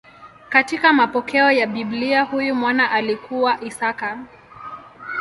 Katika mapokeo ya Biblia huyu mwana alikuwa Isaka.